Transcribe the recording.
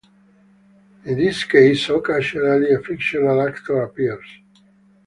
In these cases, occasionally, a fictional actor appears.